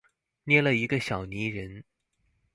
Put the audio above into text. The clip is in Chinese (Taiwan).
捏了一個小泥人